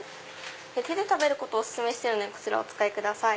手で食べることお勧めしてるのでこちらお使いください。